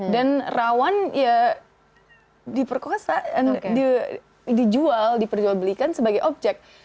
dan rawan ya diperkosa dijual diperjualbelikan sebagai objek